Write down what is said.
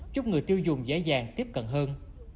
giúp người tiêu dùng dễ dàng tiếp cận hơn